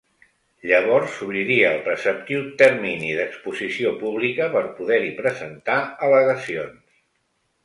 Llavors s’obriria el preceptiu termini d’exposició pública per poder-hi presentar al·legacions.